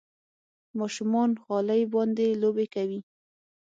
ماشومان غالۍ باندې لوبې کوي.